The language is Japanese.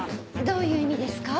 どういう意味ですか？